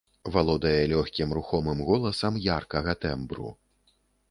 Валодае лёгкім рухомым голасам яркага тэмбру.